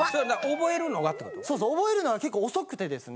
覚えるのが結構遅くてですね。